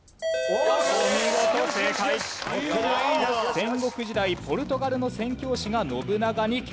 戦国時代ポルトガルの宣教師が信長に献上しました。